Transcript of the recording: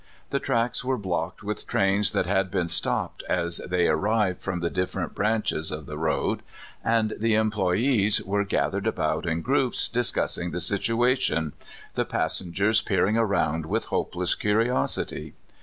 The tracks were blocked Avith trains that had been stopped as they arrived from the different branches of the road, and the employes were gathered about in groups, discussing the situation the passengers peering around with hopeless curiosity.